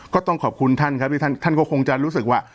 ก็ต้องขอบคุณท่านครับที่ท่านก็คงจะรู้สึกว่า